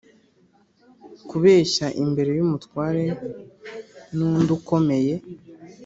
kubeshya, imbere y’umutware n’undi ukomeye,